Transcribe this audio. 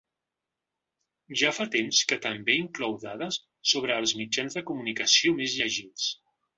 Ja fa temps que també inclou dades sobre els mitjans de comunicació més llegits.